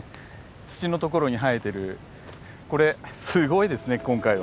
土のところに生えてるこれすごいですね今回は。